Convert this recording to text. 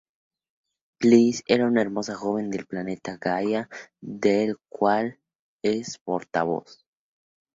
Bliss es una hermosa joven del planeta Gaia, del cual es portavoz.